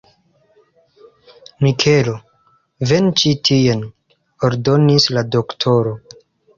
Mikelo, venu ĉi tien! ordonis la doktoro.